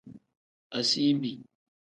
Asiibi.